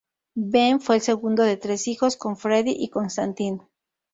Ben fue el segundo de tres hijos, con Freddy y Constantine.